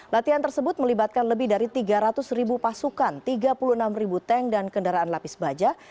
latihan tersebut melibatkan lebih dari tiga ratus ribu pasukan tiga puluh enam ribu tank dan kendaraan lapis baja